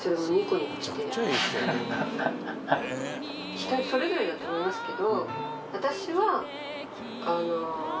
人それぞれだと思いますけど。